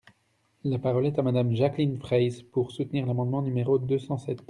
La parole est à Madame Jacqueline Fraysse, pour soutenir l’amendement numéro deux cent sept.